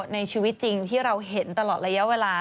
ในชีวิตจริงที่เราเห็นตลอดระยะเวลา